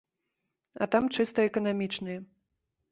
А там чыста эканамічныя.